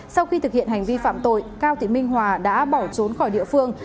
sau khi thực hiện hành vi phạm tội cao thị minh hòa đã bỏ trốn khỏi địa phương